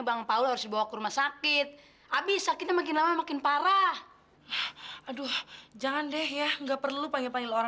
sampai jumpa di video selanjutnya